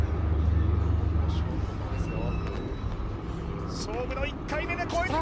ここ勝負どころですよ。